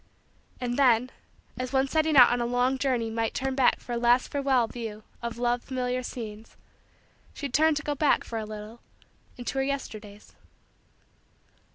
And then, as one setting out on a long journey might turn back for a last farewell view of loved familiar scenes, she turned to go back for a little into her Yesterdays.